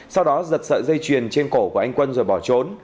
sau đó giật sợi dây chuyền trên cổ của anh quân rồi bỏ trốn